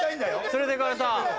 連れていかれた。